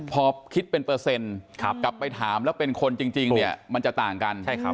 พอคิดเป็นเปอร์เซ็นต์กลับไปถามแล้วเป็นคนจริงเนี่ยมันจะต่างกัน